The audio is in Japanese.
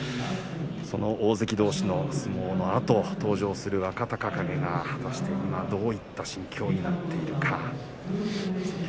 その大関どうしの相撲のあと登場する若隆景果たして今どういった心境になっているか。